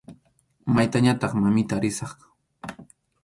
Maytañataq, mamita, risaq.